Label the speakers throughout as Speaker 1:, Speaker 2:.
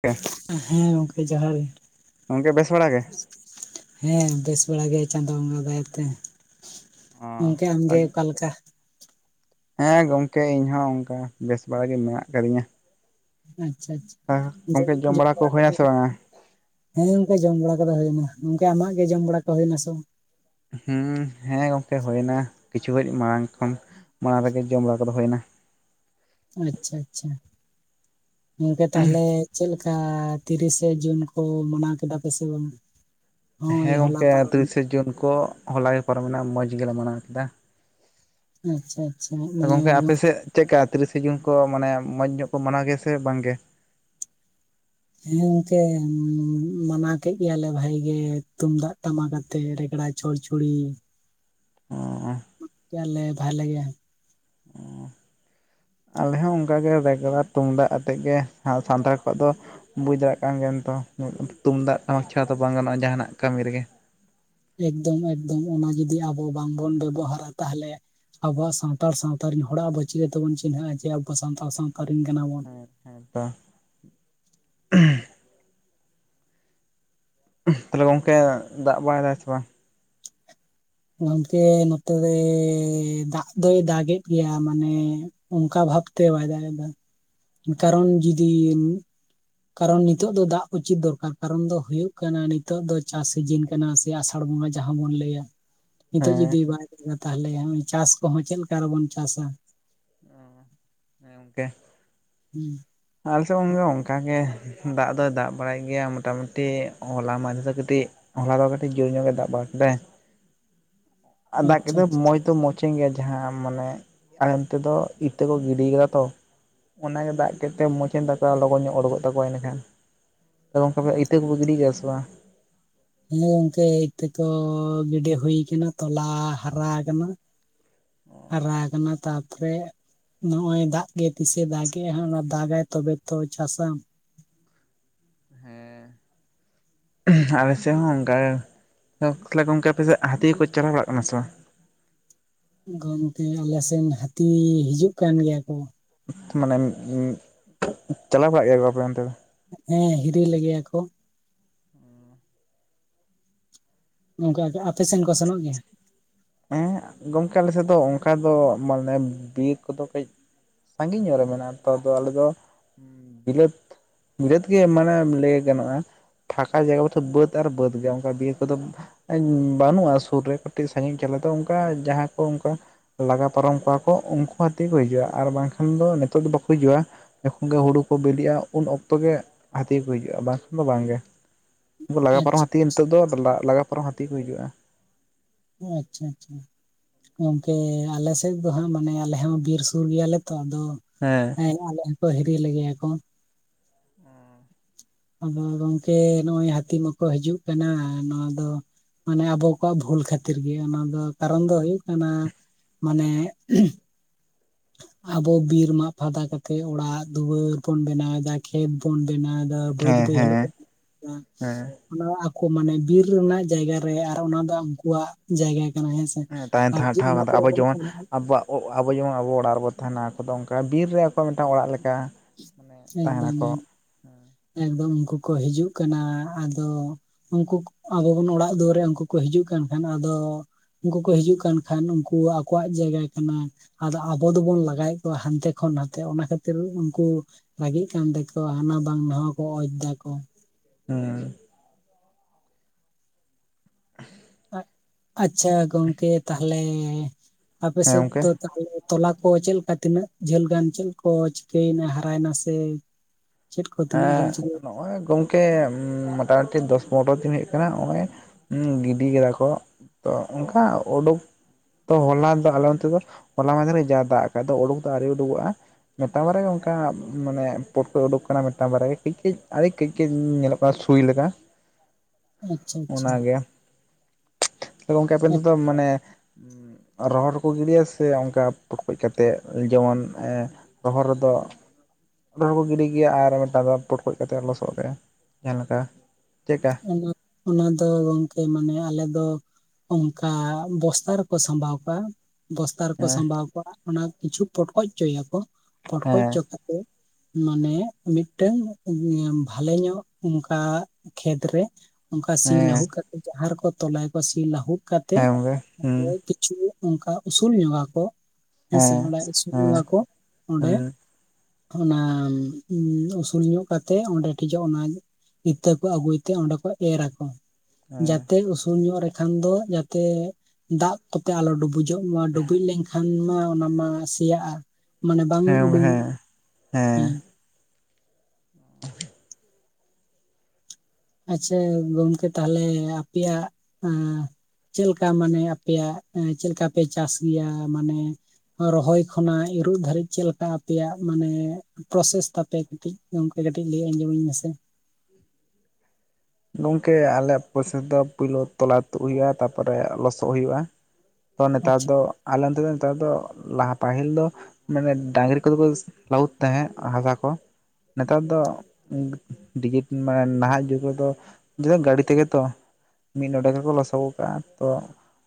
Speaker 1: ᱜᱚᱝᱠᱮ
Speaker 2: ᱦᱮᱸ, ᱜᱚᱝᱠᱮ ᱡᱚᱦᱟᱨ ᱜᱮ।
Speaker 1: ᱜᱚᱝᱠᱮ, ᱵᱮᱥ ᱵᱟᱲᱟ ᱜᱮ?
Speaker 2: ᱦᱮᱸ, ᱵᱮᱥ ᱵᱟᱲᱟ ᱜᱮ, ᱪᱟᱸᱫᱚ ᱵᱚᱸᱜᱟ ᱫᱟᱭᱟᱛᱮ। ᱜᱚᱝᱠᱮ, ᱟᱢ ᱜᱮ, ᱚᱠᱟ
Speaker 1: ᱚ
Speaker 2: ᱞᱮᱠᱟ?
Speaker 1: ᱦᱮᱸ, ᱜᱚᱝᱠᱮ! ᱤᱧ ᱦᱚᱸ ᱚᱱᱠᱟ, ᱵᱮᱥ ᱵᱟᱲᱟ ᱜᱮ, ᱢᱮᱱᱟᱜ ᱟᱠᱟᱫᱤᱧᱟ।
Speaker 2: ᱟᱪᱪᱷᱟ ᱟᱪᱪᱷᱟ‌।
Speaker 1: ᱦᱮᱸ ᱜᱚᱝᱠᱮ ᱡᱚᱢ ᱵᱟᱲᱟ ᱠᱚ ᱦᱩᱭ ᱴᱱᱟ ᱥᱮ ᱵᱟᱝᱟ?
Speaker 2: ᱦᱮᱸ ᱜᱚᱝᱠᱮ ᱡᱚᱢ ᱵᱟᱲᱟ ᱠᱚᱫᱚ ᱦᱩᱭ ᱱᱟ᱾ ᱜᱚᱝᱠᱮ ᱟᱢᱟᱜ ᱜᱮ ᱡᱚᱢ ᱵᱟᱲᱟ ᱠᱚ ᱦᱩᱭᱱᱟ ᱥᱮ ᱵᱟᱝ?
Speaker 1: ᱦᱩᱸ ᱦᱮᱸ ᱜᱚᱝᱠᱮ ᱦᱩᱭᱮᱱᱟ, ᱠᱤᱪᱷᱩ ᱜᱷᱟᱲᱤᱡ ᱢᱟᱲᱟᱝ ᱠᱷᱚᱱ ᱢᱟᱲᱟᱝ ᱨᱮᱜᱮ ᱡᱚᱢ ᱵᱟᱲᱟ ᱠᱚᱫᱚ ᱦᱳᱭᱱᱟ।
Speaker 2: ᱟᱪᱪᱷᱟ ᱟᱪᱪᱷᱟ, ᱜᱚᱝᱠᱮ ᱛᱟᱸᱦᱚᱞᱮ ᱪᱮᱫ ᱞᱮᱠᱟ ᱛᱤᱨᱤᱥᱮ ᱡᱩᱱ ᱠᱚ ᱢᱟᱱᱟᱣ ᱠᱮᱫᱟ ᱯᱮᱥᱮ ᱵᱟᱝ? ᱦᱳᱭ
Speaker 1: ᱦᱮᱸ
Speaker 2: ᱦᱚᱞᱟ
Speaker 1: ᱜᱚᱝᱠᱮ
Speaker 2: ᱯᱟᱨᱚᱢᱮᱱ
Speaker 1: ᱛᱤᱨᱤᱥᱮ ᱡᱩᱱ ᱠᱚ ᱦᱚᱞᱟ ᱜᱮ ᱯᱟᱨᱚ ᱢᱮᱱᱟ᱾ ᱢᱚᱡᱽ ᱜᱮᱞᱮ ᱢᱟᱱᱟᱣ ᱠᱮᱫᱟ।
Speaker 2: ᱟᱪᱪᱷᱟ। ᱟᱪᱪᱷᱟ ᱢᱟᱱᱮ
Speaker 1: ᱜᱚᱝᱠᱮ ᱟᱯᱮ ᱥᱮᱫ ᱪᱮᱫᱠᱟ ᱛᱤᱨᱤᱥᱮ ᱡᱩᱱ ᱠᱚ ᱢᱟᱱᱮ ᱢᱚᱡᱽ ᱧᱚᱜ ᱠᱚ ᱢᱟᱱᱟᱣ ᱜᱮᱭᱟ ᱥᱮ ᱵᱟᱝ ᱜᱮ?
Speaker 2: ᱦᱮᱸ ᱜᱚᱝᱠᱮ ᱢᱟᱱᱟᱣ ᱠᱮᱫ ᱜᱮᱭᱟᱞᱮ ᱵᱷᱟᱜᱤ ᱜᱮ ᱛᱩᱢᱫᱟᱜ ᱴᱟᱢᱟᱠ ᱟᱛᱮ ᱨᱮᱜᱽᱲᱟ ᱪᱚᱲᱪᱩᱲ᱾ ᱠᱮᱭᱟᱞᱮ ᱵᱷᱟᱞᱮ ᱜᱮ।
Speaker 1: ᱟᱞᱮ ᱦᱚᱸ ᱚᱱᱠᱟᱜᱮ ᱨᱮᱜᱽᱲᱟ, ᱛᱩᱢᱫᱟᱜ ᱟᱛᱮᱜ ᱜᱮ ᱥᱟᱱᱛᱟᱲ ᱠᱚᱣᱟᱜ ᱫᱚ ᱵᱩᱡᱽ ᱫᱟᱲᱮᱭᱟᱜ ᱠᱟᱱ ᱜᱮᱭᱟᱢ ᱛᱚ ᱛᱩᱢᱫᱟᱜ ᱴᱟᱢᱟᱠ ᱪᱷᱟᱲᱟ ᱛᱚ ᱵᱟᱝ ᱜᱟᱱᱚᱜᱼᱟ ᱡᱟᱦᱟᱱᱟᱜ ᱠᱟᱹᱢᱤ ᱨᱮᱜᱮ।
Speaker 2: ᱮᱠᱫᱚᱢ ᱮᱠᱫᱚᱢ ᱚᱱᱟ ᱡᱩᱫᱤ ᱟᱵᱚ ᱵᱟᱝᱵᱚᱱ ᱵᱮᱵᱚᱦᱟᱨᱟ ᱛᱟᱦᱚᱞᱮ ᱟᱵᱚᱣᱟᱜ ᱥᱟᱱᱛᱟᱲ ᱥᱟᱣᱛᱟ ᱨᱮᱱ ᱦᱚᱲᱟᱜ ᱟᱵᱚ ᱪᱤᱠᱟᱹ ᱛᱮᱵᱚᱱ ᱪᱤᱱᱦᱟᱹᱜᱼᱟ ᱡᱮ ᱟᱵᱚ ᱥᱟᱱᱛᱟᱲ ᱥᱟᱣᱛᱟ ᱨᱮᱱ ᱠᱟᱱᱟ ᱵᱚᱱ।
Speaker 1: ᱦᱮᱸ ᱛᱚ। ᱛᱟᱞᱦᱮ ᱜᱚᱝᱠᱮ ᱫᱟᱜ ᱵᱟᱲᱟᱭ ᱫᱟᱭ ᱥᱮ ᱵᱟᱝ?
Speaker 2: ᱜᱚᱝᱠᱮ ᱱᱚᱛᱮᱨᱮ ᱫᱟᱜ ᱫᱚᱭ ᱫᱟᱜ ᱮᱫ ᱜᱮᱭᱟ ᱢᱟᱱᱮ ᱚᱱᱠᱟ ᱵᱷᱟᱵᱛᱮ ᱵᱟᱭ ᱫᱟᱜ ᱮᱫᱟ᱾ ᱠᱟᱨᱚᱱ ᱡᱩᱫᱤᱢ
Speaker 1: [inaudible]
Speaker 2: ᱠᱟᱨᱚᱱ ᱱᱤᱛᱚᱜ ᱫᱚ ᱫᱟᱜ ᱩᱪᱤᱛ ᱫᱚᱨᱠᱟᱨ᱾ ᱠᱟᱨᱚᱱ ᱫᱚ ᱦᱩᱭᱩᱜ ᱠᱟᱱᱟ ᱱᱤᱛᱚᱜ ᱫᱚ ᱪᱟᱥ ᱥᱤᱡᱤᱱ ᱠᱟᱱᱟ ᱥᱮ। ᱟᱥᱟᱲ ᱵᱚᱸᱜᱟ ᱡᱟᱸᱦᱟ ᱵᱚᱱ ᱞᱟᱹᱭᱟ। ᱱᱤᱛᱚᱜ
Speaker 1: ᱦᱮᱸ
Speaker 2: ᱡᱩᱫᱤ ᱵᱟᱭ ᱫᱟᱜᱟ ᱛᱟᱦᱚᱞᱮ ᱪᱟᱥ ᱠᱚᱦᱚᱸ ᱪᱮᱫ ᱞᱮᱠᱟ ᱨᱮᱵᱚᱱ ᱪᱟᱥᱟ?
Speaker 1: [inaudible]
Speaker 2: ᱦᱮᱸ।
Speaker 1: ᱟᱞᱮ ᱥᱮᱫ ᱜᱚᱝᱠᱮ ᱚᱱᱠᱟ ᱜᱮ। ᱫᱟᱜ ᱫᱚᱭ ᱫᱟᱜ ᱵᱟᱲᱟᱭᱮᱫ ᱜᱮᱭᱟ ᱢᱚᱴᱟ ᱢᱩᱴᱤ ᱦᱚᱞᱟ ᱢᱟᱦᱫᱮᱨ ᱫᱚ ᱠᱟᱹᱴᱤᱡ ᱦᱚᱞᱟ ᱫᱚ ᱠᱟᱹᱴᱤᱡ ᱡᱳᱨ ᱧᱚᱜ ᱜᱮ ᱫᱟᱜ ᱵᱟᱲᱟ ᱡᱮᱫᱟᱭ, ᱫᱟᱜ
Speaker 2: ᱟᱪᱪᱷᱟ
Speaker 1: ᱠᱮᱫᱟᱭ
Speaker 2: ᱟᱪᱪᱷᱟ
Speaker 1: ᱢᱚᱸᱡᱽ ᱛᱚ ᱢᱚᱡᱽ ᱮᱱ ᱜᱮᱭᱟ ᱡᱟᱸᱦᱟ ᱢᱟᱱᱮ ᱟᱞᱮ ᱚᱱᱛᱮᱫᱚ ᱤᱛᱟᱹ ᱠᱚ ᱜᱤᱰᱤᱭ ᱟᱠᱟᱫᱟ ᱛᱚ। ᱚᱱᱟᱜᱮ ᱫᱟᱜ ᱠᱮᱫ ᱛᱮ ᱢᱚᱪᱮᱱ ᱛᱟᱠᱚᱣᱟ ᱞᱚᱜᱚᱱ ᱧᱚᱜ ᱚᱰᱠᱚᱜ ᱛᱟᱠᱚᱣᱟ ᱤᱱᱟᱹᱠᱷᱟᱱ᱾ ᱛᱚ ᱜᱚᱝᱠᱮ ᱯᱮ ᱤᱛᱟᱹ ᱠᱚᱯᱮ ᱜᱤᱰᱤ ᱠᱮᱜᱼᱟ ᱥᱮ ᱵᱟᱝ?
Speaker 2: ᱦᱮᱸ ᱜᱚᱝᱠᱮ ᱤᱛᱹᱟ ᱠᱚ ᱜᱤᱰᱤ ᱦᱩᱭ ᱠᱟᱱᱟ ᱛᱚᱞᱟ ᱦᱟᱨᱟᱣ ᱟᱠᱟᱱᱟ᱾ ᱦᱟᱨᱟ ᱠᱟᱱᱟ ᱛᱟᱨᱯᱚᱨᱮ ᱱᱚᱜ-ᱚᱭ ᱫᱟᱜ ᱜᱮ ᱛᱤᱥᱮ ᱫᱟᱜ ᱮᱫᱟ ᱦᱟᱸᱜ᱾ ᱚᱱᱟ ᱫᱟᱜᱟᱭ ᱛᱚᱵᱮ ᱛᱚ ᱪᱟᱥᱟᱢ᱾
Speaker 1: ᱦᱮᱸ᱾ ᱟᱞᱮᱥᱮᱫ ᱦᱚᱸ ᱚᱱᱠᱟ ᱜᱮ᱾ ᱛᱟᱦᱞᱮ ᱜᱚᱝᱠᱮ ᱟᱯᱮᱥᱮᱫ ᱦᱟᱹᱛᱤ ᱠᱚᱠᱚ ᱪᱟᱞᱟᱣ ᱵᱟᱲᱟᱜ ᱠᱟᱱᱟ ᱥᱮ ᱵᱟᱝ?
Speaker 2: ᱜᱚᱝᱠᱮ ᱟᱞᱮᱥᱮᱱ ᱦᱟᱹᱛᱤ ᱦᱤᱡᱩᱜ ᱠᱟᱱ ᱜᱮᱭᱟ ᱠᱚ᱾
Speaker 1: ᱢᱟᱱᱮ ᱪᱟᱞᱟᱣ ᱵᱟᱲᱟᱜ ᱜᱮᱭᱟ ᱠᱚ ᱟᱯᱮ ᱚᱱᱛᱮ ᱫᱚ?
Speaker 2: ᱦᱮᱸ ᱦᱤᱨᱤ ᱞᱮ ᱜᱮᱭᱟ ᱠᱚ᱾ ᱚᱱᱠᱟ ᱟᱯᱮ ᱥᱮᱱ ᱠᱚ ᱥᱮᱱᱚᱜ ᱜᱮᱭᱟ?
Speaker 1: ᱦᱮᱸ ᱜᱚᱝᱠᱮ ᱟᱞᱮᱥᱮᱫ ᱫᱚ ᱚᱱᱠᱟ ᱫᱚ ᱢᱟᱱᱮ ᱵᱤᱨ ᱠᱚᱫᱚ ᱠᱟᱹᱡ ᱥᱟᱺᱜᱤᱧ ᱧᱚᱜ ᱨᱮ ᱢᱮᱱᱟᱜᱼᱟ ᱛᱚ ᱟᱞᱮ ᱫᱚ ᱵᱤᱞᱟᱹᱛ ᱵᱤᱞᱟᱹᱛ ᱜᱮ ᱢᱟᱱᱮ ᱞᱟᱹᱭ ᱜᱟᱱᱚᱜᱼᱟ᱾ ᱯᱷᱟᱸᱠᱟ ᱡᱟᱭᱜᱟ ᱵᱟᱹᱫ ᱟᱨ ᱵᱟᱹᱫᱽ ᱜᱮ ᱚᱱᱠᱟ ᱵᱤᱨ ᱠᱚᱫᱚ ᱵᱟᱹᱱᱩᱜᱼᱟ ᱥᱩᱨ ᱨᱮ ᱠᱟᱹᱴᱤᱡ ᱥᱟᱺᱜᱤᱧ ᱟᱞᱮ ᱫᱚ ᱚᱱᱠᱟ ᱡᱟᱦᱟᱸ ᱠᱚ ᱚᱱᱠᱟ ᱞᱟᱜᱟ ᱯᱟᱨᱚᱢ ᱠᱚᱣᱟ ᱠᱚ ᱩᱱᱠᱩ ᱦᱟᱹᱛᱤ ᱠᱚ ᱦᱤᱡᱩᱜᱼᱟ ᱟᱨ ᱵᱟᱝᱠᱷᱟᱱ ᱫᱚ ᱱᱤᱛᱚᱜ ᱫᱚ ᱵᱟᱠᱚ ᱦᱤᱡᱩᱜᱼᱟ ᱾ ᱡᱚᱠᱷᱚᱱ ᱜᱮ ᱦᱩᱲᱩ ᱠᱚ ᱵᱤᱞᱤᱜᱼᱟ ᱩᱱ ᱚᱠᱛᱚ ᱜᱮ ᱦᱟᱹᱛᱤ ᱠᱚ ᱦᱤᱡᱩᱜᱼᱟ ᱵᱟᱝᱠᱷᱟᱱ ᱫᱚ ᱵᱟᱝᱜᱮ ᱾ ᱩᱱᱠᱩ ᱞᱟᱜᱟ ᱯᱟᱨᱚᱢ
Speaker 2: ᱟᱪᱪᱷᱟ
Speaker 1: ᱦᱟᱹᱛᱤ ᱜᱮ ᱱᱤᱛᱚᱜ ᱫᱚ ᱞᱟᱜᱟ ᱯᱟᱨᱚᱢ ᱦᱟᱹᱛᱤ ᱠᱚ ᱦᱤᱡᱩᱜᱼᱟ ᱾
Speaker 2: ᱟᱪᱪᱷᱟ ᱟᱪᱪᱷᱟ ᱾ ᱜᱚᱝᱠᱮ ᱟᱞᱮ ᱥᱮᱫ ᱫᱚ ᱦᱟᱸᱜ ᱢᱟᱱᱮ ᱟᱞᱮ ᱦᱚᱸ ᱵᱤᱨ ᱥᱩᱨ ᱜᱮᱭᱟᱞᱮ ᱛᱚ ᱟᱫᱚ ᱾
Speaker 1: ᱦᱮᱸ ᱾
Speaker 2: ᱦᱮᱸ, ᱟᱞᱮ ᱦᱚᱸᱠᱚ ᱦᱤᱨᱤ ᱞᱮᱜᱮᱭᱟ ᱠᱚ ᱾ ᱟᱫᱚ ᱜᱚᱝᱠᱮ ᱱᱚᱜᱼᱚᱭ ᱦᱟᱹᱛᱤ ᱢᱟᱠᱚ ᱦᱤᱡᱩᱜ ᱠᱟᱱᱟ ᱱᱚᱣᱟ ᱫᱚ, ᱢᱟᱱᱮ ᱟᱵᱚ ᱠᱚᱣᱟᱜ ᱵᱷᱩᱞ ᱠᱷᱟᱹᱛᱤᱨ ᱜᱮ, ᱚᱱᱟ ᱫᱚ ᱠᱟᱨᱚᱱ ᱫᱚ ᱦᱩᱭᱩᱜ ᱠᱟᱱᱟ ᱢᱟᱱᱮ ᱟᱵᱚ ᱵᱤᱨ ᱢᱟᱜ ᱯᱷᱟᱠᱟ ᱠᱟᱛᱮᱫ ᱚᱲᱟᱜ ᱫᱩᱣᱟᱹᱨ ᱵᱚᱱ ᱵᱮᱱᱟᱣᱮᱫᱟ, ᱠᱷᱮᱛ ᱵᱚᱱ ᱵᱮᱱᱟᱣ ᱮᱫᱟ, ᱵᱟᱹᱫ
Speaker 1: ᱦᱮᱸ ᱦᱮᱸ
Speaker 2: ᱵᱟᱹᱭᱦᱟᱹᱲ ᱵᱚᱱ
Speaker 1: ᱦᱮᱸ
Speaker 2: ᱚᱱᱟ ᱟᱠᱚ ᱢᱟᱱᱮ ᱵᱤᱨ ᱨᱮᱱᱟᱜ ᱡᱟᱭᱜᱟ ᱨᱮ, ᱟᱨ ᱚᱱᱟ ᱫᱚ ᱩᱱᱠᱩᱣᱟᱜ ᱡᱟᱭᱜᱟ ᱠᱟᱱᱟ ᱦᱮᱸᱥᱮ ᱾
Speaker 1: ᱦᱮᱸ ᱛᱟᱦᱮᱱ ᱴᱷᱟᱶ ᱟᱵᱚ ᱡᱮᱢᱚᱱ ᱟᱵᱚᱣᱟᱜ ᱟᱵᱚ ᱡᱮᱢᱚᱱ ᱟᱵᱚ ᱚᱲᱟᱜ ᱨᱮᱵᱚ ᱛᱟᱦᱮᱱᱟ ᱟᱠᱚ ᱫᱚ ᱚᱱᱠᱟ ᱵᱤᱨ ᱨᱮ ᱟᱠᱚᱣᱟᱜ ᱢᱤᱫᱴᱟᱝ ᱚᱲᱟᱜ ᱞᱮᱠᱟ ᱾
Speaker 2: ᱮᱠᱫᱚᱢ ᱮᱠᱫᱚᱢ ᱩᱱᱠᱩ ᱠᱚ ᱦᱤᱡᱩᱜ ᱠᱟᱱᱟ ᱟᱫᱚ ᱩᱱᱠᱩ ᱟᱵᱚ ᱵᱚᱱ ᱚᱲᱟᱜ ᱫᱩᱣᱟᱹᱨᱮᱜᱼᱟ, ᱩᱱᱠᱩ ᱠᱚ ᱦᱤᱡᱩᱜ ᱠᱟᱱ ᱠᱷᱟᱱ ᱟᱫᱚ ᱩᱱᱠᱩ ᱠᱚ ᱦᱤᱡᱩᱜ ᱠᱟᱱ ᱠᱷᱟᱱ ᱩᱱᱠᱩ ᱟᱠᱚᱣᱟᱜ ᱡᱟᱭᱜᱟ ᱠᱟᱱᱟ ᱾ ᱟᱫᱚ ᱟᱵᱚ ᱫᱚᱵᱚᱱ ᱞᱟᱜᱟᱭᱮᱫ ᱠᱚᱣᱟ ᱦᱟᱱᱛᱮ ᱠᱷᱚᱱ ᱱᱟᱛᱮ ᱚᱱᱟ ᱠᱷᱟᱹᱛᱤᱨ ᱩᱱᱠᱩ ᱨᱟᱜᱤᱜ ᱠᱟᱱ ᱛᱮᱠᱚ, ᱦᱟᱱᱟ ᱵᱟᱝ ᱱᱚᱣᱟ ᱠᱚ ᱚᱡᱽ ᱫᱟᱠᱚ ᱾
Speaker 1: ᱦᱮᱸ ᱾
Speaker 2: ᱟᱪᱪᱷᱟ, ᱜᱚᱝᱠᱮ ᱛᱟᱦᱞᱮ ᱟᱯᱮ
Speaker 1: ᱦᱮᱸ
Speaker 2: ᱥᱮᱫ
Speaker 1: ᱜᱚᱝᱠᱮ
Speaker 2: ᱫᱚ ᱛᱟᱦᱞᱮ ᱛᱚᱞᱟ ᱠᱚ ᱪᱮᱫ ᱞᱮᱠᱟ ᱛᱤᱱᱟᱹᱜ ᱡᱷᱟᱹᱞ ᱜᱟᱱ ᱪᱮᱫ ᱠᱚ ᱪᱤᱠᱟᱹᱭᱮᱱᱟ ᱦᱟᱨᱟᱭᱮᱱᱟ ᱥᱮ ᱪᱮᱫ ᱠᱚ ᱛᱤᱱᱟᱹᱜ ᱡᱷᱟᱹᱞ ᱪᱤᱠᱟᱹ
Speaker 1: ᱦᱮᱸ ᱱᱚᱜᱼᱚᱭ ᱜᱚᱝᱠᱮ ᱠᱮ ᱢᱳᱚᱴᱟᱢᱩᱴᱤ ᱫᱚᱥ ᱯᱚᱱᱨᱚ ᱫᱤᱱ ᱦᱩᱭᱩᱜ ᱠᱟᱱᱟ ᱱᱚᱜᱚᱭ ᱜᱤᱰᱤ ᱠᱮᱫᱟ ᱠᱚ ᱾ ᱛᱚ ᱚᱱᱠᱟ ᱩᱰᱩᱠ ᱛᱚ ᱦᱚᱞᱟ ᱫᱚ ᱟᱞᱮ ᱚᱱᱛᱮ ᱫᱚ ᱦᱚᱞᱟ ᱢᱟᱫᱦᱮᱨ ᱜᱮ ᱡᱟ ᱫᱟᱜ ᱟᱠᱟᱫ ᱫᱚ ᱩᱰᱩᱠ ᱫᱚ ᱟᱹᱣᱨᱤ ᱩᱰᱩᱠᱚᱜᱼᱟ ᱾ ᱢᱤᱫᱴᱟᱝ ᱵᱟᱨᱜᱮ ᱚᱱᱠᱟ ᱢᱟᱱᱮ ᱯᱚᱴᱚᱡᱽ ᱩᱰᱩᱠ ᱟᱠᱟᱱᱟ ᱾ ᱢᱤᱫᱴᱟᱝ ᱵᱟᱨᱭᱟ ᱠᱟᱹᱡ ᱠᱟᱹᱡ ᱟᱹᱰᱤ ᱠᱟᱹᱡ ᱠᱟᱹᱡ ᱧᱮᱞᱚᱜ ᱠᱟᱱᱟ ᱥᱩᱭ ᱞᱮᱠᱟ ᱾
Speaker 2: ᱟᱪᱪᱷᱟ ᱟᱪᱪᱷᱟ ᱾
Speaker 1: ᱜᱚᱝᱠᱮ ᱟᱯᱮ ᱫᱚ ᱢᱟᱱᱮ ᱨᱚᱦᱚᱲ ᱨᱮᱠᱚ ᱜᱤᱰᱤᱭᱟ ᱥᱮ ᱚᱱᱠᱟ ᱯᱚᱴᱠᱚᱡᱽ ᱠᱟᱛᱮᱫ ᱡᱮᱢᱚᱱ? ᱨᱚᱦᱚᱨ ᱨᱮᱫᱚ ᱦᱚᱲᱳ ᱠᱚ ᱜᱤᱰᱤᱭ ᱜᱮᱭᱟ ᱟᱨ ᱯᱚᱴᱠᱚᱡᱽ ᱠᱟᱛᱮᱜ ᱞᱚᱥᱚᱫ ᱨᱮ ᱡᱟᱦᱟᱸ ᱞᱮᱠᱟ ᱪᱮᱫᱠᱟ
Speaker 2: ᱚᱱᱟ ᱫᱚ ᱜᱚᱝᱠᱮ ᱢᱟᱱᱮ ᱟᱞᱮ ᱫᱚ ᱚᱱᱠᱟ ᱵᱚᱥᱛᱟ ᱨᱮ ᱠᱚ ᱥᱟᱵᱟᱹᱣ ᱠᱟᱜᱼᱟ ᱾ ᱵᱚᱥᱛᱟ ᱨᱮᱠᱚ
Speaker 1: ᱦᱮᱸ
Speaker 2: ᱥᱟᱢᱵᱟᱣ ᱠᱚᱣᱟ ᱚᱱᱟ ᱠᱤᱪᱷᱩ ᱯᱚᱴᱠᱚᱡ ᱪᱚᱭᱟᱠᱚ
Speaker 1: ᱦᱮᱸ
Speaker 2: ᱯᱚᱴᱠᱚᱪᱚ
Speaker 1: ᱦᱮᱸ
Speaker 2: ᱠᱟ ᱛᱮ ᱢᱟᱱᱮ ᱢᱤᱫᱴᱟᱝ ᱵᱷᱟᱞᱮ ᱧᱚᱜ ᱚᱝᱠᱟ ᱠᱷᱮᱛ ᱨᱮ ᱚᱝᱠᱟ ᱥᱤ ᱞᱟᱹᱦᱩᱫ ᱠᱟᱛᱮ ᱡᱟᱦᱟ‌ ᱨᱮ ᱠᱚ ᱛᱚᱞᱟᱭᱠᱚ ᱥᱤ ᱞᱟᱹᱦᱩᱫ ᱠᱟᱛ ᱛᱮ
Speaker 1: ᱦᱮᱸ ᱜᱚᱝᱠᱮ ᱦᱩᱸ
Speaker 2: ᱠᱤᱪᱷᱩ ᱚᱱᱠᱟ ᱩᱥᱩᱞ ᱧᱚᱜᱼᱟ ᱠᱚ᱾ ᱦᱮᱸᱥᱮ
Speaker 1: ᱦᱮᱸ
Speaker 2: ᱚᱸᱰᱮ
Speaker 1: ᱦᱮᱸ
Speaker 2: ᱧᱚᱜᱟ ᱠᱚ ᱚᱸᱰᱮ ᱚᱱᱟ ᱩᱥᱩᱞ ᱧᱚᱜ ᱠᱟᱛᱮᱜ ᱚᱸᱰᱮ ᱴᱷᱮᱡᱚᱜ ᱚᱱᱟ ᱤᱛᱟᱹ ᱠᱚ ᱟᱹᱜᱩᱭ ᱛᱮ ᱚᱸᱰᱮ ᱠᱚ ᱮᱨᱟ ᱠᱚ ᱾ ᱡᱟᱛᱮ ᱩᱥᱩᱞ ᱧᱚᱜ ᱨᱮ ᱠᱷᱟᱱ ᱫᱚ ᱡᱟᱛᱮ ᱫᱟᱜ ᱠᱟᱛᱮᱜ ᱟᱞᱚ ᱰᱩᱵᱩᱡᱚᱜ ᱢᱟ, ᱰᱩᱵᱩᱡ ᱞᱮᱱᱠᱷᱟᱱ ᱢᱟ ᱚᱱᱟ ᱢᱟ ᱥᱮᱭᱟᱜᱼᱟ᱾ ᱢᱟᱱᱮ ᱵᱟᱝ
Speaker 1: ᱦᱩᱸ ᱦᱮᱸ
Speaker 2: ᱩᱰᱩᱝᱚᱜ
Speaker 1: ᱦᱮᱸ ᱦᱮᱸ
Speaker 2: ᱦᱩᱸ
Speaker 1: [unintelligible]
Speaker 2: ᱟᱪᱪᱷᱟ ᱜᱚᱝᱠᱮ ᱛᱟᱦᱚᱞᱮ ᱟᱯᱮᱭᱟᱜ ᱮᱸ ᱪᱮᱫ ᱞᱮᱠᱟ ᱢᱟᱱᱮ ᱟᱯᱮᱭᱟᱜ ᱪᱮᱫ ᱞᱮᱠᱟ ᱯᱮ ᱪᱟᱥ ᱜᱮᱭᱟ? ᱢᱟᱱᱮ ᱨᱚᱦᱚᱭ ᱠᱷᱚᱱᱟᱜ ᱤᱨᱚᱜ ᱫᱷᱟᱹᱨᱤᱡ ᱪᱮᱫ ᱞᱮᱠᱟ ᱟᱯᱮᱭᱟᱜ ᱢᱟᱱᱮ ᱯᱨᱚᱥᱮᱥ ᱛᱟᱯᱮ ᱠᱟᱹᱴᱤᱡ ᱜᱚᱝᱠᱮ ᱠᱟᱹᱴᱤᱡ ᱞᱟᱹᱭ ᱟᱸᱡᱚᱢᱟᱹᱧ ᱢᱮᱥᱮ?
Speaker 1: ᱜᱚᱝᱠᱮ ᱟᱞᱮᱭᱟᱜ ᱯᱚᱨᱥᱮᱥ ᱫᱚ ᱯᱩᱭᱞᱩ ᱛᱚᱞᱟ ᱛᱩᱜ ᱦᱩᱭᱩᱜᱼᱟ, ᱛᱟᱯᱚᱨᱮ ᱞᱚᱥᱚᱜ ᱦᱩᱭᱩᱜᱼᱟ, ᱛᱚ ᱱᱮᱛᱟᱨ
Speaker 2: ᱟᱪᱪᱷᱟ
Speaker 1: ᱫᱚ ᱟᱞᱮ ᱚᱱᱛᱮ ᱫᱚ ᱱᱮᱛᱟᱨ ᱫᱚ ᱞᱟᱦᱟ ᱯᱟᱹᱦᱤᱞ ᱫᱚ ᱢᱟᱱᱮ ᱰᱟᱝᱨᱤ ᱠᱚᱫᱚ ᱠᱚ ᱞᱟᱹᱣᱩᱫ ᱛᱟᱦᱮᱸᱜ ᱦᱟᱥᱟ ᱠᱚ, ᱱᱮᱛᱟᱨ ᱫᱚ ᱰᱤᱡᱤ ᱢᱟᱱᱮ ᱱᱟᱦᱟᱜ ᱡᱩᱜᱽ ᱨᱮᱫᱚ [unintelligible] ᱜᱟᱹᱰᱤ ᱛᱮᱜᱮ ᱛᱚ ᱾ ᱢᱤᱫ ᱱᱚᱸᱰᱮ ᱜᱮᱠᱚ ᱞᱚᱥᱚᱫ ᱠᱟᱜᱼᱟ ᱛᱚ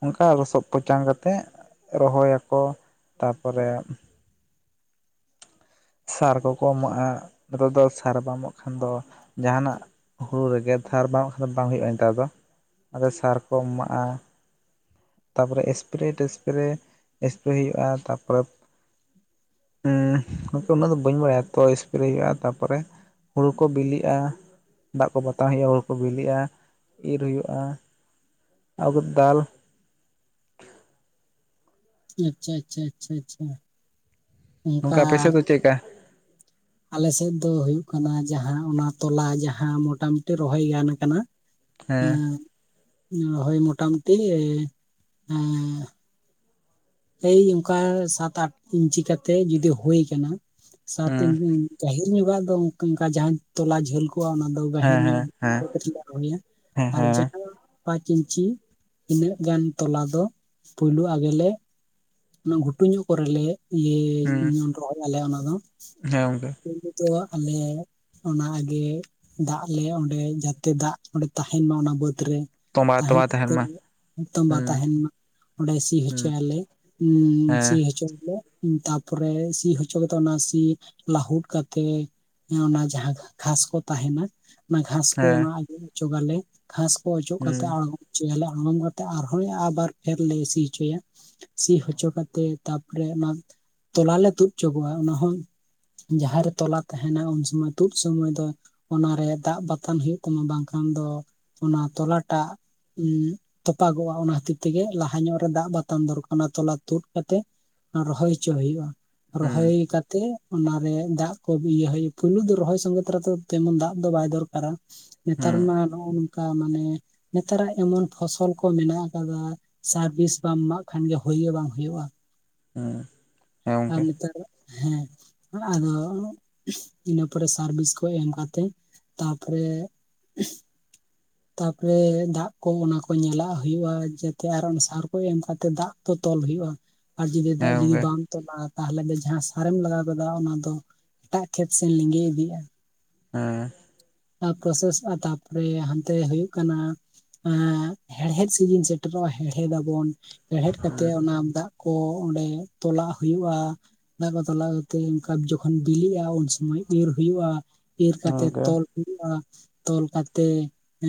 Speaker 1: ᱚᱝᱠᱟ ᱞᱚᱥᱚᱫ ᱯᱚᱪᱟᱝ ᱠᱟᱛᱮᱜ ᱨᱚᱦᱚᱭ ᱟᱠᱚ ᱛᱟᱯᱚᱨᱮ ᱥᱟᱨ ᱠᱚᱠᱚ ᱮᱢᱚᱜᱼᱟ, ᱱᱤᱛᱚᱜ ᱫᱚ ᱥᱟᱨ ᱵᱟᱢ ᱮᱢᱚᱜ ᱠᱷᱟᱱ ᱫᱚ ᱡᱟᱦᱟᱱᱟᱜ ᱦᱩᱲᱩ ᱨᱮᱜᱮ ᱥᱟᱨ [unintelligible] ᱠᱷᱟᱱ ᱫᱚ ᱵᱟᱝ ᱦᱩᱭᱩᱜᱼᱟ, ᱱᱮᱛᱟᱨ ᱫᱚ ᱟᱫᱚ ᱥᱟᱨ ᱠᱚ ᱮᱢᱟᱜᱼᱟ᱾ ᱛᱟᱯᱚᱨᱮ ᱮᱥᱯᱨᱮ ᱴᱮᱥᱯᱨᱮ ᱮᱥᱯᱨᱮ ᱦᱩᱭᱩᱜᱼᱟ, ᱛᱟᱯᱚᱨᱮ ᱩᱸ ᱜᱚᱝᱠᱮ ᱩᱱᱟᱹᱜ ᱫᱚ ᱵᱟᱹᱧ ᱵᱟᱲᱟᱭᱟ ᱛᱚ ᱮᱥᱯᱨᱮ ᱦᱩᱭᱩᱜᱼᱟ, ᱛᱟᱯᱚᱨᱮ ᱦᱩᱲᱩ ᱠᱚ ᱵᱤᱞᱤᱜᱼᱟ ᱾ ᱫᱟᱜ ᱠᱚ ᱵᱟᱛᱟᱣ ᱦᱩᱭᱩᱜᱼᱟ, ᱦᱩᱲᱩ ᱠᱚ ᱵᱤᱞᱤᱜᱼᱟ, ᱤᱨ ᱦᱩᱭᱩᱜᱼᱟ, ᱟ ᱫᱟᱞ
Speaker 2: ᱟᱪᱪᱷᱟ ᱟᱪᱪᱷᱟ ᱟᱪᱪᱷᱟ ᱟᱪᱪᱷᱟ ᱾
Speaker 1: ᱜᱚᱝᱠᱮ ᱟᱯᱮ ᱥᱮᱜ ᱫᱚ ᱪᱮᱜᱠᱟ?
Speaker 2: ᱟᱞᱮ ᱥᱮᱫ ᱫᱚ ᱦᱩᱜ ᱠᱟᱱᱟ ᱡᱟᱦᱟᱸ ᱚᱱᱟ ᱛᱚᱞᱟ ᱡᱟᱦᱟᱸ ᱢᱚᱴᱟᱟᱢᱴᱤ ᱨᱚᱦᱚᱭ ᱜᱟᱱ ᱠᱟᱱᱟ᱾
Speaker 1: ᱦᱮᱸ
Speaker 2: ᱮᱸ ᱨᱚᱦᱚᱭ ᱢᱚᱴᱟᱢᱩᱴᱤ ᱮ ᱮᱸ ᱮᱭ ᱚᱝᱠᱟ ᱥᱟᱛ ᱟᱴ ᱤᱧᱪᱤ ᱠᱟᱛᱮᱜ ᱡᱚᱫᱤ ᱦᱳᱭ ᱠᱟᱱᱟ ᱥᱟᱛ
Speaker 1: ᱦᱮᱸ
Speaker 2: ᱜᱟᱹᱦᱤᱨ ᱧᱚᱜᱟᱜ ᱫᱚ ᱚᱝᱠᱟ ᱡᱟᱦᱟᱸ ᱛᱚᱞᱟ ᱡᱷᱟᱹᱞ ᱠᱚᱜ ᱚᱱᱟ ᱫᱚ ᱜᱟᱦᱤᱨ
Speaker 1: ᱦᱮᱸ ᱦᱮᱸ
Speaker 2: ᱧᱚᱜ
Speaker 1: ᱦᱮᱸ ᱦᱮᱸ
Speaker 2: [unintelligible] ᱟᱨ
Speaker 1: ᱦᱮᱸ
Speaker 2: ᱡᱟᱦᱟᱸ ᱯᱟᱸᱪ ᱤᱧᱪᱤ ᱤᱱᱟᱹᱜ ᱜᱟᱱ ᱛᱚᱞᱟ ᱫᱚ ᱯᱩᱭᱞᱩ ᱟᱜᱮ ᱞᱮ ᱚᱱᱟ ᱜᱷᱩᱴᱩ ᱧᱚᱜ ᱠᱚᱨᱮᱞ ᱞᱮ
Speaker 1: ᱦᱩᱸ
Speaker 2: ᱤᱭᱟᱹ ᱨᱚᱦᱚᱭᱟᱞᱮ ᱚᱱᱟ ᱫᱚ ᱾
Speaker 1: ᱦᱮᱸ ᱜᱚᱝᱠᱮ
Speaker 2: [unintelligible] ᱟᱞᱮ ᱚᱱᱟ ᱟᱜᱮ ᱫᱟᱜ ᱞᱮ ᱚᱸᱰᱮ ᱡᱟᱛᱮ ᱫᱟᱜ ᱚᱸᱰᱮ ᱛᱟᱦᱮᱱ ᱢᱟ ᱚᱱᱟ ᱵᱟᱹᱫ ᱨᱮ ᱾
Speaker 1: ᱛᱚᱸᱵᱟ
Speaker 2: ᱛᱟᱦᱮᱸ
Speaker 1: ᱛᱚᱸᱵᱟ ᱛᱟᱦᱮᱱ
Speaker 2: ᱠᱟᱛᱮ
Speaker 1: ᱢᱟ
Speaker 2: ᱛᱚᱢᱵᱟ
Speaker 1: ᱦᱩᱸ
Speaker 2: ᱛᱟᱦᱮᱱ ᱢᱟ ᱚᱸᱰᱮ ᱥᱤ
Speaker 1: ᱦᱩᱸ
Speaker 2: ᱦᱚᱪᱚᱭ ᱟᱞᱮ ᱾ ᱩᱸᱻ ᱥᱤ
Speaker 1: ᱦᱮᱸ
Speaker 2: ᱦᱚᱪᱚᱭ [inaudible] ᱛᱟᱯᱚᱨᱮ ᱥᱤ ᱦᱚᱪᱚ ᱠᱟᱛᱮ ᱚᱱᱟ ᱥᱤ ᱞᱟᱹᱟᱦᱩᱫ ᱠᱟᱛᱮᱜ ᱮᱸ ᱚᱱᱟ ᱡᱟᱦᱟᱸ ᱜᱷᱟᱥ ᱠᱚ ᱛᱟᱦᱮᱱᱟ ᱾ ᱚᱱᱟ ᱜᱷᱟᱥ ᱠᱚ
Speaker 1: ᱦᱮᱸ
Speaker 2: ᱚᱱᱟ ᱟᱜᱮ ᱚᱪᱚᱜ ᱟᱞᱮ ᱜᱷᱟᱸᱥ ᱠᱚ ᱚᱪᱚᱜ ᱠᱟᱛᱮ
Speaker 1: ᱦᱩᱸ
Speaker 2: ᱟᱬ ᱦᱚᱪᱚᱭ ᱟᱞᱮ ᱟᱲᱚᱢ ᱠᱟᱛᱮ ᱟᱨᱦᱚᱸᱭ ᱟᱵᱟᱨ ᱠᱷᱮᱛ ᱞᱮ ᱥᱤ ᱦᱚᱪᱚᱭᱟ᱾ ᱥᱤ ᱦᱚᱪᱚ ᱠᱟᱛᱮᱜ ᱛᱟᱯᱚᱨᱮ ᱚᱱᱟ ᱛᱚᱞᱟ ᱞᱮ ᱛᱩᱫ ᱦᱚᱪᱚ ᱠᱚᱣᱟ ᱚᱱᱟᱦᱚᱸ ᱡᱟᱦᱟᱸᱨᱮ ᱛᱚᱞᱟ ᱛᱟᱦᱮᱱᱟ ᱩᱱ ᱥᱚᱢᱚᱭ ᱛᱩᱫ ᱥᱩᱚᱢᱚᱭ ᱫᱚ ᱚᱱᱟᱨᱮ ᱫᱟᱜ ᱵᱟᱛᱟᱱ ᱦᱩᱭᱩᱜ ᱛᱟᱢᱟ ᱵᱟᱝ ᱠᱷᱟᱱ ᱫᱚ ᱚᱱᱟ ᱛᱚᱞᱟᱴᱟᱜ ᱩᱸ ᱛᱚᱯᱟᱜᱚᱜᱼᱟ ᱚᱱᱟ ᱠᱷᱚᱛᱤᱨ ᱛᱮᱜᱮ ᱞᱟᱦᱟ ᱧᱚᱜ ᱨᱮ ᱫᱟᱜ ᱵᱟᱛᱟᱱ ᱫᱚᱨᱠᱟᱨ ᱾ ᱚᱱᱟ ᱛᱚᱞᱟ ᱛᱩᱫ ᱠᱟᱛᱮᱜ ᱨᱚᱦᱚᱭ ᱦᱚᱪᱚ ᱦᱩᱭᱩᱜᱼᱟ,
Speaker 1: ᱦᱩᱸ
Speaker 2: ᱨᱚᱦᱚᱭ ᱠᱟᱛᱮᱜ ᱚᱱᱟᱨᱮ ᱫᱟᱜ ᱠᱚ ᱤᱭᱟᱹ ᱦᱩᱭᱩᱜᱼᱟ ᱯᱩᱭᱞᱳ ᱫᱚ ᱨᱚᱦᱚᱭ ᱥᱚᱸᱜᱮ ᱛᱟᱨᱟ ᱫᱚ ᱛᱮᱢᱚᱱ ᱫᱟᱜ ᱫᱚ ᱵᱟᱭ ᱫᱚᱨᱠᱟᱨᱟ᱾ ᱱᱮᱛᱟᱨ
Speaker 1: ᱦᱩᱸ
Speaker 2: ᱢᱟ ᱱᱚᱜ ᱱᱚᱝᱠᱟ ᱢᱟᱱᱮ ᱱᱮᱛᱟᱨᱟᱜ ᱮᱢᱚᱱ ᱯᱷᱚᱥᱚᱞ ᱠᱚ ᱢᱮᱱᱟᱜ ᱟᱠᱟᱫᱟ ᱥᱟᱨᱵᱷᱤᱥ ᱵᱟᱢ ᱮᱢᱟᱜ ᱠᱷᱟᱱ ᱜᱮ ᱦᱩᱭᱼᱜᱮ ᱵᱟᱝ ᱦᱩᱭᱩᱜᱼᱟ ᱾
Speaker 1: ᱦᱮᱸ
Speaker 2: ᱟᱨ
Speaker 1: ᱜᱚᱝᱠᱮ
Speaker 2: ᱱᱮᱛᱟᱨ ᱦᱮᱸ ᱟᱫᱚ ᱤᱱᱟᱹ ᱯᱚᱨᱮ ᱥᱟᱨᱵᱷᱤᱥ ᱠᱚ ᱮᱢ ᱠᱟᱛᱮ-ᱜ ᱛᱟᱯᱚᱨᱮ [inaudible]
Speaker 1: ᱦᱮ [inaudible]
Speaker 2: ᱛᱟᱯᱚᱨᱮ ᱫᱟᱜ ᱠᱚ ᱚᱱᱟ ᱠᱚ ᱧᱮᱞᱟ-ᱜ ᱦᱩᱭᱩᱜᱼᱟ᱾ ᱡᱟᱛᱮ ᱟᱨ ᱚᱱᱟ ᱥᱟᱨ ᱠᱚ ᱮᱢ ᱠᱟᱛᱮ ᱫᱟᱜ ᱛᱚ ᱛᱚᱞ ᱦ ᱦᱩᱭᱩᱜᱼᱟ᱾ ᱟᱨ ᱡᱩᱫᱤ
Speaker 1: ᱦᱮᱸ
Speaker 2: ᱫᱟᱜ ᱡᱩᱫᱤ
Speaker 1: ᱜᱚᱝᱠᱮ
Speaker 2: ᱵᱟᱝ ᱚ ᱛᱟᱦᱚᱞᱮ ᱫᱚ ᱡᱟᱦᱟᱸ ᱥᱟᱨᱮᱢ ᱞᱟᱜᱟᱣ ᱠᱮᱫᱟ᱾ ᱚᱱᱟ ᱫᱚ ᱮᱴᱟᱜ ᱠᱷᱮᱛ ᱥᱮᱫ ᱞᱤᱸᱜᱮ ᱤᱫᱤᱜᱼᱟ᱾
Speaker 1: ᱦᱮᱸ
Speaker 2: ᱯᱨᱚᱥᱮᱥ ᱟ ᱛᱟᱨᱯᱚᱨᱮ ᱦᱟᱱᱛᱮ ᱦᱩᱭᱩᱜ ᱠᱟᱱᱟ᱾ ᱦᱮᱲᱦᱮᱫ ᱥᱤᱡᱤᱱ ᱥᱮᱴᱮᱨᱚᱜᱼᱟ᱾ ᱦᱮᱲᱦᱮᱫ ᱟᱵᱚᱱ, ᱦᱮᱲᱦᱮᱫ ᱠᱟᱛᱮᱫ
Speaker 1: ᱦᱮᱸ
Speaker 2: ᱚᱱᱟ ᱫᱟᱜ ᱠᱚ ᱚᱸᱰᱮ ᱛᱚᱞᱟᱜ ᱦᱩᱭᱩᱜᱼᱟ᱾ ᱫᱟᱜ ᱠᱚ ᱛᱚᱞᱟ ᱠᱟᱛᱮᱜ ᱚᱱᱠᱟ ᱡᱚᱠᱷᱚᱱ ᱵᱤᱞᱤᱜᱼᱟ᱾ ᱩᱱᱥᱩᱚᱢᱚᱭ ᱤᱨ ᱦᱩᱭᱩᱜᱼᱟ᱾ ᱤᱨ ᱠᱟᱛᱮᱫ
Speaker 1: ᱜᱚᱝᱠᱮ
Speaker 2: ᱛᱚᱞ ᱦᱩᱭᱩᱜ ᱟ ᱛᱚᱞ ᱠᱟᱛᱮᱜ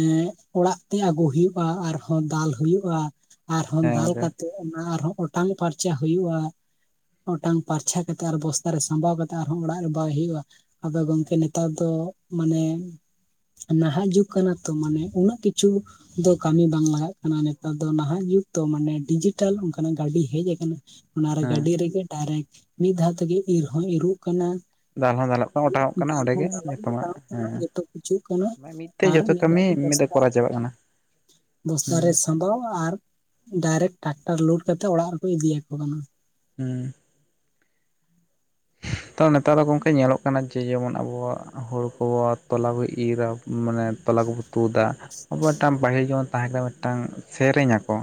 Speaker 2: ᱮᱸ ᱚᱲᱟᱜ ᱛᱮ ᱟᱹᱜᱩ ᱦᱩᱭᱩᱜᱼᱟ᱾ ᱟᱨᱦᱚᱸ ᱫᱟᱞ ᱦᱩᱭᱩᱜᱼᱟ᱾ ᱟᱨᱦᱚᱸ
Speaker 1: ᱦᱮᱸ
Speaker 2: ᱫᱟᱞ
Speaker 1: ᱜᱚᱝᱠᱮ
Speaker 2: ᱠᱟᱛᱮᱜ ᱚᱱᱟ ᱟᱨᱦᱚᱸ ᱚᱴᱟᱝ ᱯᱷᱟᱨᱪᱟ ᱦᱩᱭᱩᱜᱼᱟ ᱚᱴᱟᱝ ᱯᱟᱨᱪᱷᱟ ᱠᱟᱛᱮ, ᱟᱨ ᱵᱚᱥᱛᱟ ᱨᱮ ᱥᱟᱢᱵᱟᱣ ᱠᱟᱛᱮ ᱟᱨᱦᱚᱸ ᱚᱲᱟᱜ ᱨᱮ ᱵᱟᱭ ᱦᱩᱭᱩᱜᱼᱟ᱾ ᱟᱫᱚ ᱜᱚᱝᱠᱮ ᱱᱮᱛᱟᱨ ᱫᱚ ᱢᱟᱱᱮ ᱱᱟᱦᱟᱜ ᱡᱩᱜᱽ ᱠᱟᱱᱟ ᱛᱚ, ᱢᱟᱱᱮ ᱩᱱᱟᱹᱜ ᱠᱤᱪᱷᱩ ᱫᱚ ᱠᱟᱹᱢᱤ ᱵᱟᱝ ᱞᱟᱜᱟ-ᱜ ᱠᱟᱱᱟ᱾ ᱱᱮᱛᱟᱨ ᱫᱚ ᱱᱟᱦᱟ-ᱜ ᱡᱩᱜᱽ ᱫᱚ᱾ ᱢᱟᱱᱮ ᱰᱤᱡᱤᱴᱟᱞ ᱚᱱᱠᱟᱱᱟ-ᱜ ᱜᱟᱹᱰᱤ ᱦᱮᱡ ᱟᱠᱟᱱᱟ᱾ ᱚᱱᱟᱨᱮ
Speaker 1: ᱦᱮᱸ
Speaker 2: ᱜᱟᱹᱰᱤ ᱨᱮᱜᱮ ᱰᱟᱭᱨᱮᱠᱴ ᱢᱤᱫ ᱫᱷᱟᱣ ᱛᱮᱜᱮ ᱤᱨ ᱦᱚᱸ ᱤᱨᱚᱜ ᱠᱟᱱᱟ᱾
Speaker 1: ᱫᱟᱞ ᱦᱚᱸ ᱫᱟᱞᱚ-ᱜ ᱠᱟᱱᱟ᱾ ᱚᱴᱟᱝᱚᱜ ᱠᱟᱱᱟ
Speaker 2: ᱫᱟᱞ
Speaker 1: ᱚᱸᱰᱮᱜ
Speaker 2: ᱦᱚᱸ
Speaker 1: ᱜᱮ,
Speaker 2: ᱫᱟᱞᱚᱵ
Speaker 1: ᱡᱚᱛᱚᱣᱟᱜ
Speaker 2: ᱚᱴᱟᱣᱚᱜ ᱠᱟᱱᱟ
Speaker 1: ᱦᱮᱸ
Speaker 2: ᱡᱚᱛᱚ ᱠᱟᱱᱟ
Speaker 1: ᱢᱤᱫ ᱛᱮ
Speaker 2: ᱟᱨ
Speaker 1: ᱡᱚᱛᱚ
Speaker 2: ᱢᱤᱫ ᱫᱷᱟᱣ
Speaker 1: ᱠᱟᱹᱢᱤ ᱛᱮ
Speaker 2: ᱵᱚᱥᱛᱟ᱾
Speaker 1: ᱠᱚᱨᱟᱣ ᱪᱟᱵᱟᱜ ᱠᱟᱱᱟ
Speaker 2: ᱵᱚᱥᱛᱟ ᱨᱮ
Speaker 1: ᱦᱩᱸ
Speaker 2: ᱥᱟᱵᱟᱣ ᱟᱨ ᱰᱟᱭᱨᱮᱠ ᱴᱨᱟᱠᱴᱟᱨ ᱞᱳᱰ ᱠᱟᱛᱮᱫ ᱚᱲᱟᱜ ᱨᱮᱠᱚ ᱤᱫᱤᱭᱟᱠᱚ ᱠᱟᱱᱟ᱾
Speaker 1: ᱦᱮᱸ ᱛᱚ ᱱᱮᱛᱟᱨ ᱫᱚ ᱜᱚᱝᱠᱮ ᱧᱮᱞᱚᱜ ᱠᱟᱱᱟ᱾ ᱡᱮ ᱡᱮᱢᱚᱱ ᱟᱵᱚᱣᱟ-ᱜ ᱦᱚᱲᱳᱲ ᱠᱚ ᱛᱚᱞᱟ ᱠᱚ ᱤᱨᱟ ᱢᱟᱱᱮ ᱛᱚᱞᱟ ᱠᱚᱵᱚ ᱛᱩ ᱫᱟ ᱟᱵᱚ ᱢᱤᱫᱴᱟᱝ ᱵᱟᱹᱦᱤᱞ ᱡᱮᱢᱚᱱ ᱛᱟᱦᱮᱸ ᱠᱟᱱᱟ ᱾ᱢᱤᱫᱴᱟᱝ ᱥᱮᱨᱮᱧᱟ ᱠᱚ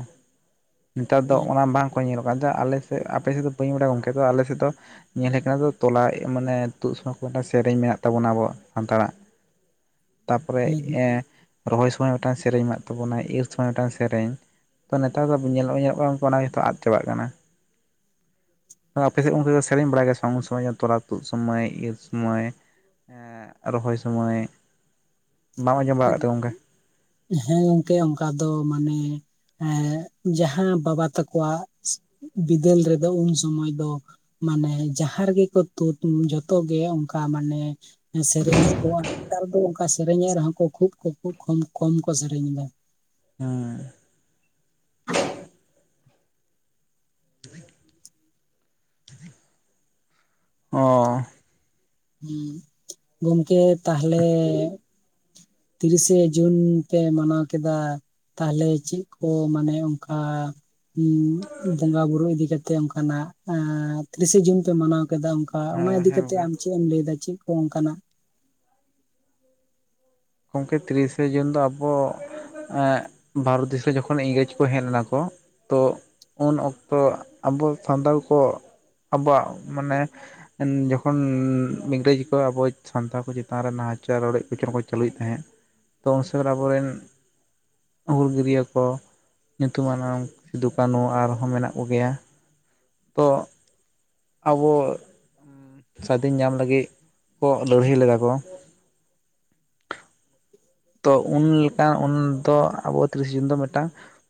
Speaker 1: ᱱᱮᱛᱟᱨ ᱫᱚ
Speaker 2: ᱦᱮᱸ
Speaker 1: ᱚᱱᱟ ᱵᱟᱝ ᱵᱟᱠᱚ ᱧᱮᱞᱚᱜ ᱠᱟᱱ ᱟᱞᱮᱥᱮᱫ, ᱟᱯᱮᱥᱮᱫ ᱫᱚ ᱵᱟᱹᱧ ᱵᱟᱲᱟᱭ ᱜᱚᱝᱠᱮ ᱛᱚ ᱟᱞᱮᱥᱮᱫ ᱫᱚ ᱧᱮᱞ ᱦᱮᱡ ᱠᱟᱱᱟ᱾ ᱛᱚᱞᱟ ᱢᱟᱱᱮ ᱛᱩᱫ ᱥᱚᱢᱚᱭ ᱠᱚ ᱢᱤᱫ ᱥᱮᱨᱮᱧ ᱢᱮᱱᱟᱜ ᱛᱟᱵᱚᱱᱟ᱾ ᱟᱵᱚ ᱥᱟᱱᱛᱟᱲᱟ-ᱜ ᱛᱟᱨᱯᱚᱨᱮ,
Speaker 2: ᱦᱮᱸ ᱦᱮᱸ
Speaker 1: ᱮᱸ ᱨᱚᱦᱚᱭ ᱥᱚᱢᱚᱭ ᱢᱤᱫᱴᱟᱝ ᱥᱮᱨᱮᱧ ᱢᱮᱱᱟᱜ ᱛᱟᱵᱚᱱᱟ᱾ ᱤᱨ ᱥᱚᱢᱚᱭ ᱢᱤᱫᱴᱟᱝ ᱥᱮᱨᱮᱧ ᱛᱚ ᱱᱮᱛᱟᱨ ᱫᱚ ᱧᱮᱞᱚᱜ, ᱧᱮᱞᱚᱜ ᱠᱟᱱᱟ᱾ ᱚᱱᱟ ᱜᱮᱛᱚ ᱟᱫ ᱪᱟᱵᱟᱜ ᱠᱟᱱᱟ᱾ ᱟᱯᱮᱥᱮᱫ ᱩᱱᱛᱮ ᱫᱚ ᱥᱮᱨᱮᱧ ᱵᱟᱲᱟᱭ ᱜᱮᱭᱟ, ᱥᱮ ᱩᱱ ᱥᱚᱢᱚᱭ ᱫᱚ? ᱛᱚᱞᱟ ᱛᱩᱫ ᱥᱚᱢᱚᱭ, ᱤᱨ ᱥᱚᱢᱚᱭ ᱨᱚᱦᱚᱭ ᱥᱚᱢᱚᱭ᱾ ᱵᱟᱢ ᱟᱸᱡᱚᱢ ᱵᱟᱲᱟ-ᱜ ᱛᱚ ᱜᱚᱝᱠᱮ ᱾
Speaker 2: ᱦᱮᱸ ᱜᱚᱝᱠᱮ ᱚᱱᱠᱟ ᱫᱚ ᱢᱟᱱᱮ ᱦᱮᱸ ᱡᱟᱦᱟᱸ ᱵᱟᱵᱟ ᱛᱟᱠᱚᱣᱟ-ᱜ ᱵᱤᱫᱟᱹᱞ ᱨᱮᱫᱚ ᱩᱱ ᱥᱚᱢᱚᱭ ᱫᱚ᱾ ᱢᱟᱱᱮ ᱡᱟᱦᱟᱸ ᱨᱮᱜᱮ ᱠᱚ ᱛᱩᱫ, ᱡᱚᱛᱚᱜᱮ ᱚᱱᱠᱟ ᱢᱟᱱᱮ ᱥᱮᱨᱮᱧ ᱟᱠᱚ, ᱟᱨ ᱱᱮᱛᱟᱨ ᱫᱚ ᱚᱱᱠᱟ ᱥᱮᱨᱮᱧᱮᱫ ᱨᱮᱦᱚᱸ ᱠᱚ᱾ ᱠᱷᱩᱵ ᱠᱚ ᱠᱷᱩᱵ ᱠᱚᱢ ᱠᱚ ᱥᱮᱨᱮᱧ ᱮᱫᱟ᱾
Speaker 1: ᱦᱩᱸ
Speaker 2: [inaudible]
Speaker 1: ᱚ
Speaker 2: ᱦᱮᱸ ᱜᱚᱝᱠᱮ ᱛᱟᱦᱚᱞᱮ, ᱛᱤᱨᱤᱥᱮ ᱡᱩᱱ ᱯᱮ ᱢᱟᱱᱟᱣ ᱠᱮᱫᱟ᱾ ᱛᱟᱦᱚᱞᱮ ᱪᱮᱫ ᱠᱚ ᱢᱟᱱᱮ ᱚᱱᱠᱟ᱾ ᱮᱢ ᱵᱚᱸᱜᱟ ᱵᱩᱨᱩ ᱤᱫᱤ ᱠᱟᱛᱮᱜ, ᱚᱱᱠᱟᱱᱟᱜ ᱛᱤᱨᱤᱥᱮ ᱡᱩᱱ ᱯᱮ ᱢᱟᱱᱟᱣ ᱠᱮᱫᱟ ᱚᱱᱠᱟ, ᱚᱱᱟ ᱤᱫᱤ
Speaker 1: ᱦᱮᱸ
Speaker 2: ᱤᱫᱤ
Speaker 1: ᱦᱮᱸ
Speaker 2: ᱠᱟᱛᱮᱫ
Speaker 1: ᱜᱚᱝᱠᱮ
Speaker 2: ᱟᱢ ᱪᱮᱫ ᱮᱢ ᱞᱟᱹᱭᱮᱫᱟ, ᱪᱮᱫ ᱠᱚ ᱚᱱᱠᱟᱱᱟᱜ
Speaker 1: ᱜᱚᱢᱠᱮ ᱛᱤᱨᱤᱥᱮ ᱡᱩᱱ ᱫᱚ ᱟᱵᱚ ᱮᱜ ᱵᱷᱟᱨᱚᱛ ᱫᱤᱥᱚᱢ ᱡᱚᱠᱷᱚᱱ ᱤᱝᱨᱮᱡᱽ ᱠᱚ ᱦᱮᱡ ᱞᱮᱱᱟ ᱠᱚ ᱛᱚ ᱩᱱ ᱚᱠᱛᱚ ᱟᱵᱚ, ᱥᱟᱱᱛᱟᱲ ᱠᱚ ᱟᱵᱚᱣᱟᱜ ᱢᱟᱱᱮ ᱡᱚᱠᱷᱚᱱ ᱤᱝᱨᱮᱡ ᱠᱚ ᱟᱵᱚ, ᱥᱟᱱᱛᱟᱲ ᱠᱚ ᱪᱮᱛᱟᱱ ᱨᱮ ᱱᱟᱦᱟᱪᱟᱨ, ᱨᱚᱰᱚᱡ ᱠᱚᱪᱞᱚᱱ ᱠᱚ ᱪᱟᱹᱞᱩᱭᱮᱫ ᱛᱟᱦᱮᱸᱫ ᱛᱚ ᱩᱱᱥᱚᱢᱚᱭ ᱟᱵᱚᱨᱮᱱ ᱦᱩᱞᱜᱟᱹᱨᱭᱟᱹ ᱠᱚ ᱧᱩᱛᱩᱢᱟᱱ ᱥᱤᱫᱩ ᱠᱟᱹᱱᱩ, ᱟᱨᱦᱚᱸ ᱢᱮᱱᱟᱜ ᱠᱚᱜᱮᱭᱟ᱾ ᱛᱚ ᱟᱵᱚ ᱥᱟᱫᱷᱤᱱ ᱧᱟᱢ ᱞᱟᱹᱜᱤᱫ ᱠᱚ, ᱞᱟᱹᱲᱦᱟᱹᱭ ᱞᱮᱫᱟ ᱠᱚ᱾ ᱛᱚ ᱩᱱ ᱞᱮᱠᱟ ᱩᱱᱫᱚ, ᱟᱵᱚ ᱛᱤᱨᱤᱥ ᱡᱩᱱ ᱫᱚ ᱢᱤᱫᱴᱟᱝ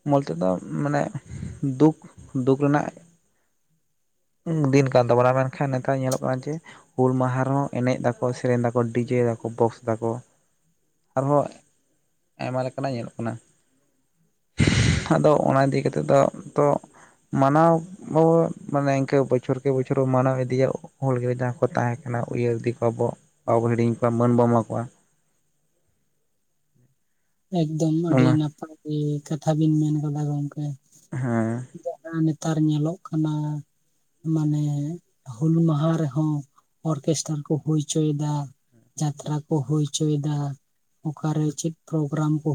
Speaker 1: ᱵᱚᱞᱛᱮ ᱫᱚ ᱢᱟᱱᱮ ᱫᱩᱠ-ᱫᱩᱠ ᱨᱮᱱᱟᱜ ᱫᱤᱱ ᱠᱟᱱ ᱛᱟᱵᱚᱱᱟ, ᱢᱮᱱᱠᱷᱟᱱ ᱱᱮᱛᱟᱨ ᱧᱮᱞᱚᱜ ᱠᱟᱱᱟ ᱡᱮ ᱦᱩᱞ ᱢᱟᱦᱟ ᱨᱮᱦᱚᱸ ᱮᱱᱮᱡ ᱫᱟᱠᱚ, ᱥᱮᱨᱮᱧ ᱫᱟᱠᱚ, ᱰᱤᱡᱮ ᱫᱟᱠᱚ, ᱵᱚᱠᱥ ᱫᱟᱠᱚ᱾ ᱟᱨᱦᱚᱸ ᱟᱭᱢᱟ ᱞᱮᱠᱟᱱᱟᱜ ᱧᱮᱞᱚᱜ ᱠᱟᱱᱟ᱾ ᱟᱫᱚ ᱚᱱᱟ ᱤᱫᱤ ᱠᱟᱛᱮᱫ ᱫᱚ ᱛᱚ ᱢᱟᱱᱟᱣ ᱦᱚᱸ ᱢᱟᱱᱮ ᱵᱚᱪᱷᱚᱨᱠᱮ ᱵᱚᱪᱷᱚᱨ ᱵᱚᱱ ᱢᱟᱱᱟᱣ ᱤᱫᱤᱭᱟ, ᱦᱚᱲ ᱜᱮ ᱡᱟᱦᱟᱸᱭ ᱠᱚ ᱛᱟᱦᱮᱸ ᱠᱟᱱᱟ, ᱩᱭᱦᱟᱹᱨ ᱤᱫᱤ ᱠᱚᱣᱟᱵᱚᱱ᱾ ᱵᱟᱵᱚᱱ ᱦᱤᱲᱤᱧ ᱠᱚᱣᱟ, ᱢᱟᱹᱱ ᱵᱚᱱ ᱮᱢᱟ ᱠᱚᱣᱟ᱾
Speaker 2: ᱮᱠᱫᱚᱢ ᱟᱹᱰᱤ
Speaker 1: ᱚᱱᱟ
Speaker 2: ᱱᱟᱯᱟᱭ ᱜᱮ, ᱠᱟᱛᱷᱟ ᱵᱤᱱ ᱢᱮᱱ ᱠᱟᱫᱟ ᱜᱚᱢᱠᱮ,
Speaker 1: ᱦᱮᱸ
Speaker 2: ᱡᱟᱦᱟᱸ ᱱᱤᱛᱚᱜ ᱾ ᱱᱮᱛᱟᱨ ᱧᱮᱞᱚᱜ ᱠᱟᱱᱟ᱾ ᱢᱟᱱᱮ ᱦᱩᱞ ᱢᱟᱦᱟ ᱨᱮᱦᱚᱸ, ᱚᱨᱠᱮᱥᱴᱟᱨ ᱠᱚ ᱦᱳᱭ ᱦᱚᱪᱚᱭᱮᱫᱟ᱾ ᱡᱟᱛᱨᱟ ᱠᱚ ᱦᱳᱭ ᱦᱚᱪᱚᱭᱮᱫᱟ, ᱚᱠᱟᱨᱮ ᱪᱮᱫ ᱯᱨᱳᱜᱨᱟᱢ ᱠᱚ᱾